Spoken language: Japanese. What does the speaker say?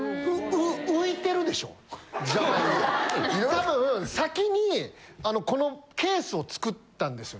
多分先にあのこのケースを作ったんですよね